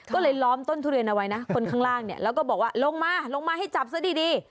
ก็เลยล้อมต้นทุเรียนเอาไว้นะคนข้างล่างเนี่ยแล้วก็บอกว่าลงมาลงมาให้จับซะดี